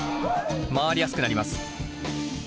回りやすくなります。